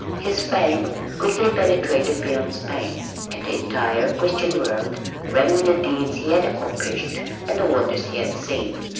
His fame quickly penetrated beyond Spain and the entire Christian world rang with the deeds he had accomplished and the wonders he had seen.